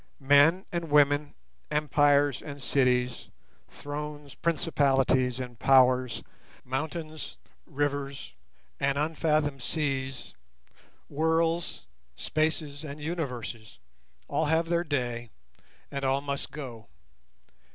Men and women, empires and cities, thrones, principalities, and powers, mountains, rivers, and unfathomed seas, worlds, spaces, and universes, all have their day, and all must go.